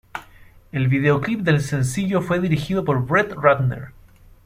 El vídeo clip del sencillo fue dirigido por Brett Ratner.